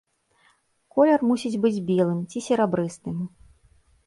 Колер мусіць быць белым ці серабрыстым.